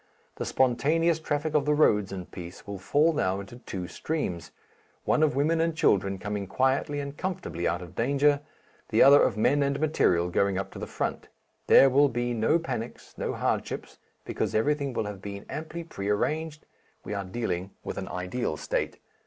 The spontaneous traffic of the roads in peace, will fall now into two streams, one of women and children coming quietly and comfortably out of danger, the other of men and material going up to the front. There will be no panics, no hardships, because everything will have been amply pre arranged we are dealing with an ideal State.